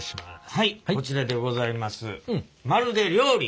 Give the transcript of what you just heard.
はいこちらでございます。